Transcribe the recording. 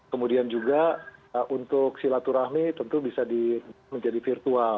kemudian juga untuk silaturahmi tentu bisa menjadi virtual